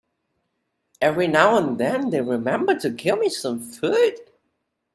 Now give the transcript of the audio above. Every now and then they remember to give me some food.